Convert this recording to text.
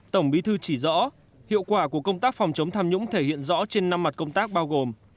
tổng bí thư chỉ rõ hiệu quả của công tác phòng chống tham nhũng thể hiện rõ trên năm mặt công tác bao gồm